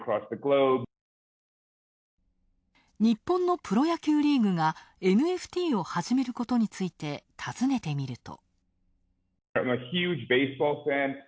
日本のプロ野球リーグが、ＮＦＴを始めることについて尋ねてみると。